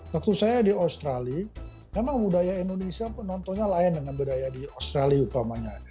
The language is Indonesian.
waktu saya di australia memang budaya indonesia penontonnya lain dengan budaya di australia upamanya